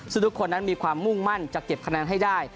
ซึ่งทุกคนนั้นมีความมุ่งมั่นจะเก็บคะแนนให้ได้